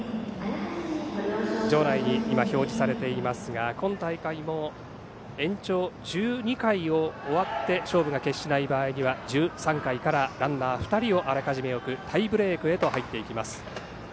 場内に表示されていますが今大会も延長１２回を終わって勝負が決しない場合には１３回からランナー２人をあらかじめ置くタイブレークへと入っていきます。